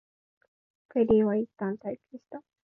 ペリーはいったん退去した。